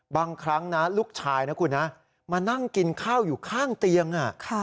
บางครั้งนะลูกชายนะคุณนะมานั่งกินข้าวอยู่ข้างเตียง